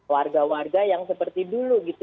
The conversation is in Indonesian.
warga warga yang seperti dulu gitu